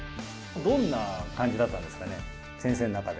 どんな感じだったんですかね、先生の中で。